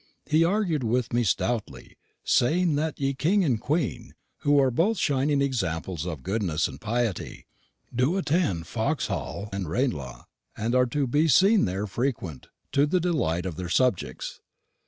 He argu'd with me stoutly, saying that ye King and Queen, who are both shining examples of goodness and piety, do attend Vauxhall and Ranelagh, and are to be seen there frequent, to the delight of their subjects.